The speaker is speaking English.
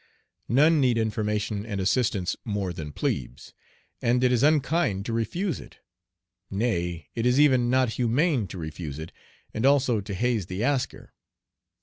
None need information and assistance more than plebes, and it is unkind to refuse it ; nay, it is even not humane to refuse it and also to haze the asker.